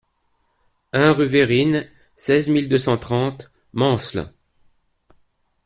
un rue Vérines, seize mille deux cent trente Mansle